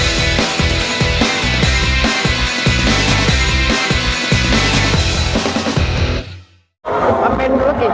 เริ่มมาจากทำไมที่นี่